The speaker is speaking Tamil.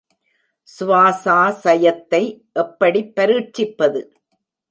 ஸ்வாசாசயத்தை எப்படிப் பரீட்சிப்பது?